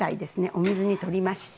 お水に取りまして。